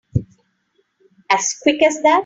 As quick as that?